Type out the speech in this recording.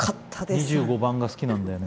２５番が好きなんだよね。